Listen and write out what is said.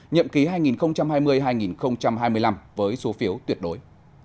nhậm ký hai nghìn hai mươi hai nghìn hai mươi năm với số phiếu tuyệt đối